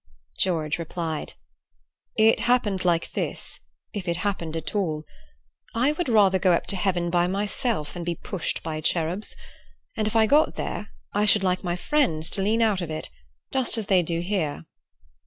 George replied: "It happened like this, if it happened at all. I would rather go up to heaven by myself than be pushed by cherubs; and if I got there I should like my friends to lean out of it, just as they do here."